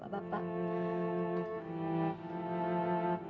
hai ibu ibu bapak bapak